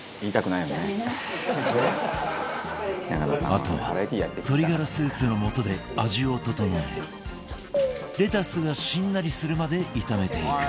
あとは鶏ガラスープの素で味を調えレタスがしんなりするまで炒めていく